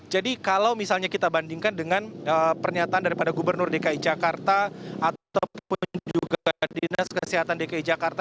jadi kalau misalnya kita bandingkan dengan pernyataan dari gubernur dki jakarta ataupun juga dinas kesehatan dki jakarta